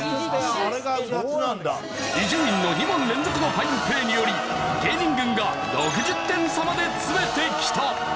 伊集院の２問連続のファインプレーにより芸人軍が６０点差まで詰めてきた！